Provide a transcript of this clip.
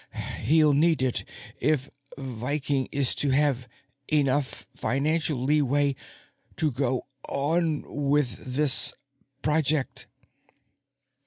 He'll need it if Viking is to have enough financial leeway to go on with this project."